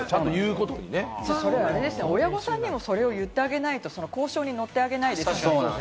親御さんにもそれ言ってあげないと、交渉に乗ってあげないですよね。